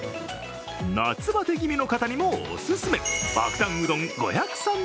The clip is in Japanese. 夏バテ気味の方にもお勧め、バクダンうどん５３０円。